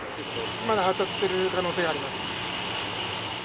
まだ発達している可能性はあります。